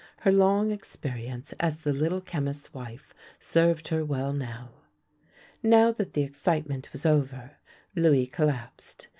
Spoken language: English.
Her long experience as the Little Chemist's wife served her well now. Now that the excitement was over, Louis collapsed.